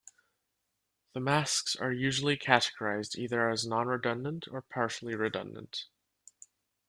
The masks are usually categorised either as non-redundant or partially redundant.